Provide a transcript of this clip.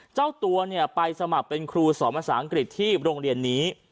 เจ้าตัวไปสมัครเป็นครูสอนภาษาอังกฤษที่โรงเรียนนี้